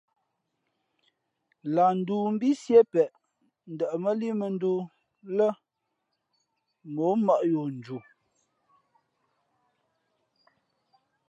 Lah ndōō mbí Sié peʼ ndαʼmά líʼ mᾱᾱndōō lά mᾱ mmάʼ yo nju.